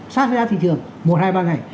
sát ra thị trường một hai ba ngày